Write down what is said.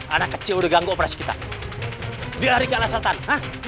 anak kecil ganggu operasi kita dia hari kelas sultan cingkat dia